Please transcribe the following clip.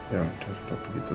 ya udah udah begitu